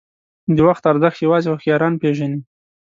• د وخت ارزښت یوازې هوښیاران پېژني.